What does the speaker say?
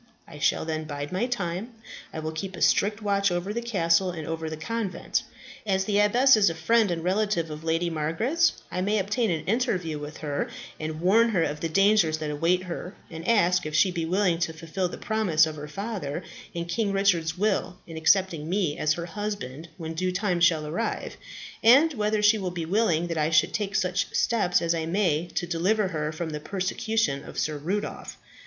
I shall then bide my time. I will keep a strict watch over the castle and over the convent. As the abbess is a friend and relative of Lady Margaret's, I may obtain an interview with her, and warn her of the dangers that await her, and ask if she be willing to fulfil the promise of her father, and King Richard's will, in accepting me as her husband when due time shall arrive, and whether she will be willing that I should take such steps as I may to deliver her from the persecution of Sir Rudolph.